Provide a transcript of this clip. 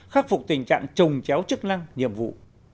khắc phục tình trạng trồng chéo chức năng nhiệm vụ